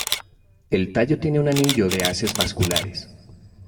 El tallo tiene un anillo de haces vasculares.